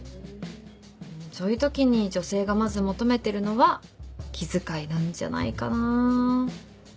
そういう時に女性がまず求めてるのは気遣いなんじゃないかな。